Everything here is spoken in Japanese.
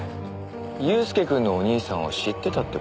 祐介くんのお兄さんを知ってたって事？